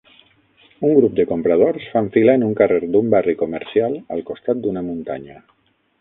Un grup de compradors fan fila en un carrer d'un barri comercial al costat d'una muntanya.